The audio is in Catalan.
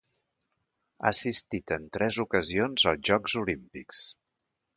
Ha assistit en tres ocasions als Jocs Olímpics.